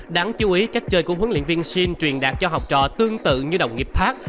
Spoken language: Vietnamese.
đáng chú ý cách chơi của huấn luyện viên sim truyền đạt cho học trò tương tự như đồng nghiệp khác